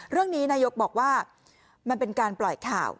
เรื่องนี้นายกบอกว่ามันเป็นการปล่อยข่าว